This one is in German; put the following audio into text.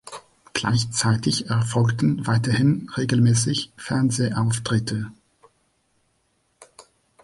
Gleichzeitig erfolgten weiterhin regelmäßig Fernsehauftritte.